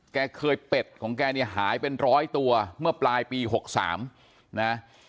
แกเคยเป็ดของแกเนี่ยหายเป็นร้อยตัวเมื่อปลายปี๖๓นะ